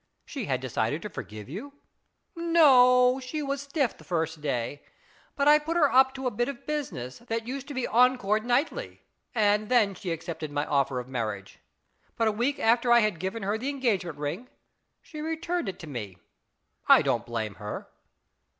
" She had decided to forgive you ?" "No, she was stiff the first day, but I put her up to a bit of business, that used to be encored nightly, and then she accepted my offer of marriage. But a week after I had given her the engagement ring she returned it to me. I don't blame her."